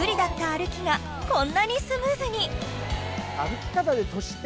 歩きがこんなにスムーズに！